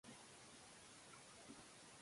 His principal influence was Louis Armstrong.